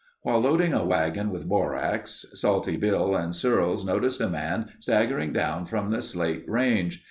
While loading a wagon with borax, Salty Bill and Searles noticed a man staggering down from the Slate Range.